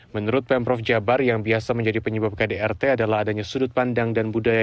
menurut pemprov jabar yang biasa menjadi penyebab kdrt adalah adanya sudut pandang dan budaya